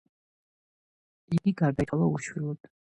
იგი გარდაიცვალა უშვილოდ.